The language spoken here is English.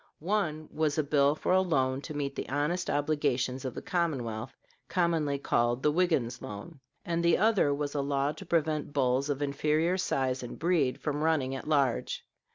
One was a bill for a loan to meet the honest obligations of the commonwealth, commonly called "the Wiggins loan"; and the other was a law to prevent bulls of inferior size and breed from running at large.